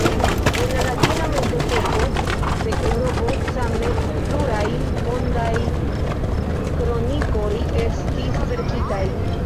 En la latina mezepoko de Eŭropo same pluraj mondaj kronikoj estis verkitaj.